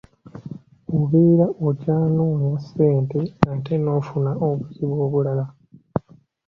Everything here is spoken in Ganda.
Obeera okyanoonya ssente ate n'ofuna obuzibu obulala.